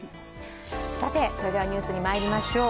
それではニュースにまいりましょう。